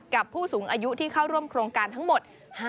ผู้สูงอายุที่เข้าร่วมโครงการทั้งหมด